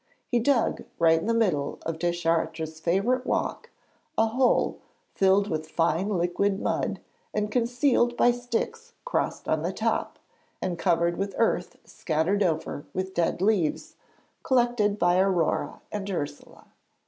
He dug, right in the middle of Deschartres' favourite walk, a hole filled with fine liquid mud and concealed by sticks crossed on the top, and covered with earth scattered over with dead leaves, collected by Aurore and Ursule.